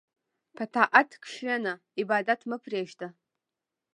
په طاعت کښېنه، عبادت مه پرېږده.